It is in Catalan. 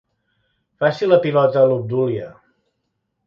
Faci la pilota a l'Obdúlia.